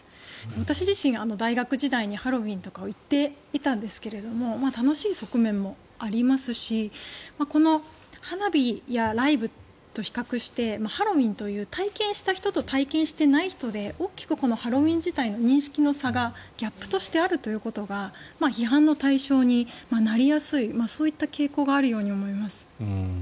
私自身、大学時代にハロウィーンとか行っていたんですが楽しい側面もありますし花火やライブと比較してハロウィーンという体験した人と体験してない人で大きく、ハロウィーン自体の認識の差がギャップとしてあるということが批判の対象になりやすいそういった傾向があるように思います。